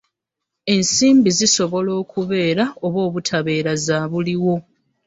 Ensimbi zisobola okubeera oba obutabeera zaabuliwo.